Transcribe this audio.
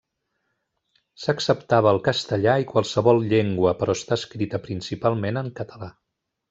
S'acceptava el castellà i qualsevol llengua, però està escrita principalment en català.